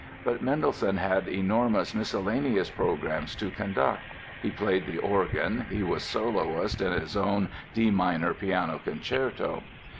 But Mendelssohn had enormous miscellaneous programs to conduct, he played the organ, he was soloist in his own D minor Piano Concerto.